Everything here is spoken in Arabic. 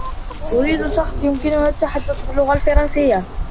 أريد شخص يمكنه التحدث باللغة الفرنسية.